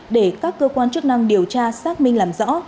để các cơ quan chức năng điều tra xác minh làm rõ